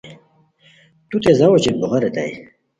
تو تیز اچی بوغے ریتائے